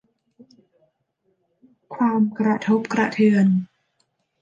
ความกระทบกระเทือน